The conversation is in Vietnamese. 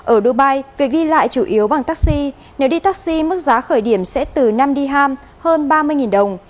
ở dubai việc đi lại chủ yếu bằng taxi nếu đi taxi mức giá khởi điểm sẽ từ năm dirham hơn ba mươi đồng